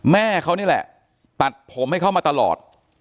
แม่เขานี่แหละตัดผมให้เขามาตลอด